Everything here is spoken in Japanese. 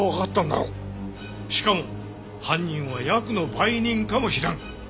しかも犯人はヤクの売人かもしれん。